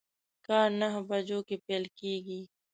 کار نهه بجو کی پیل کیږي